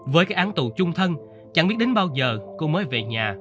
với cái án tù chung thân chẳng biết đến bao giờ cô mới về nhà